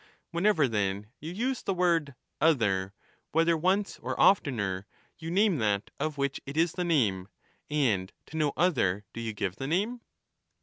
Whenever, then, you use the word 'other,' whether once or oftener, you name that of which it is the name, and to no other do you give the name